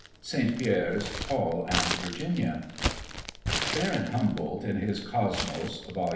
ST. PIERRE'S "PAUL AND VIRGINIA." Baron Humboldt, in his Cosmos, vol.